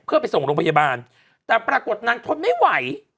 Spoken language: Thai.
เพื่อไปส่งโรงพยาบาลแต่ปรากฏนางทนไม่ไหว